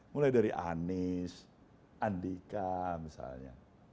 mulai dari anies andika misalnya